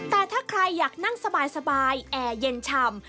แต่ถ้าใครอยากนั่งสบายแอร์เย็นฉ่ำ